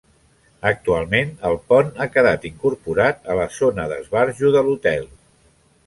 Actualment el pont ha quedat incorporat a la zona d'esbarjo de l'hotel.